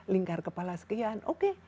lingkar kepala sekian oke